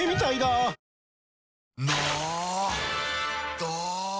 ど！